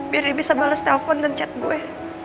biar dia bisa bales telpon dan chat gue